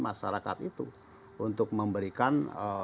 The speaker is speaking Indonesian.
masyarakat itu untuk memberikan